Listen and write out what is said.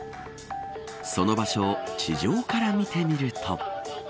その場所を地上から見てみると。